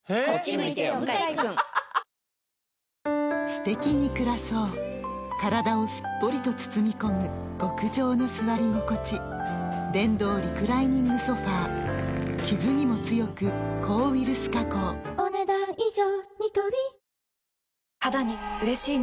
すてきに暮らそう体をすっぽりと包み込む極上の座り心地電動リクライニングソファ傷にも強く抗ウイルス加工お、ねだん以上。